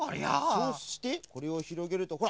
そうしてこれをひろげるとほら！